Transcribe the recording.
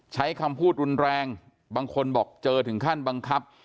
ใช้คำพูดรุนแรงบางคนบอกเจอถึงขั้นบังคับ